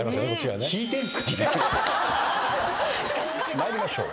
参りましょう。